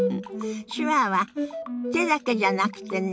手話は手だけじゃなくてね